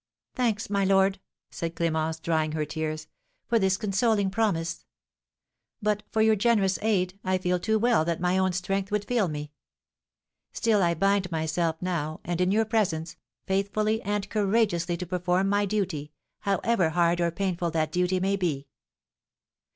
"Thanks, my lord," said Clémence, drying her tears, "for this consoling promise. But for your generous aid, I feel too well that my own strength would fail me. Still I bind myself now, and in your presence, faithfully and courageously to perform my duty, however hard or painful that duty may be."